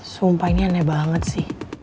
sumpah ini aneh banget sih